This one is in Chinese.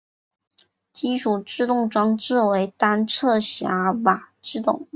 基础制动装置为单侧闸瓦制动。